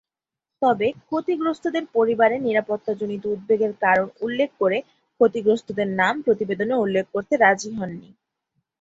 তবে ক্ষতিগ্রস্থদের পরিবারের নিরাপত্তাজনিত উদ্বেগের কারণ উল্লেখ করে ক্ষতিগ্রস্থদের নাম প্রতিবেদনে উল্লেখ করতে রাজি হননি।